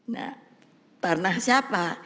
nah tanah siapa